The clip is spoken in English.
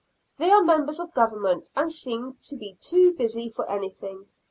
They are members of Government, and seem to be too busy for anything.